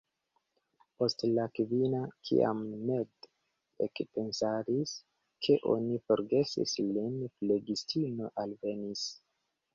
Post la kvina, kiam Ned ekpensadis ke oni forgesis lin, flegistino alvenis.